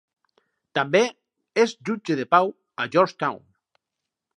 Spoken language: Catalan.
També és jutge de pau a George Town.